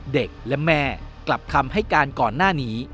เด็กและแม่กลับคำให้การก่อนหน้านี้